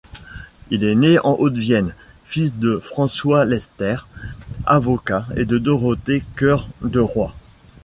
Il est né en Haute-Vienne, fils de François Lesterpt, avocat, et de Dorothée Cœur-Deroy.